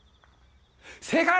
正解！